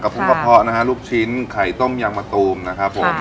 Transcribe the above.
ปรุงกระเพาะนะฮะลูกชิ้นไข่ต้มยางมะตูมนะครับผม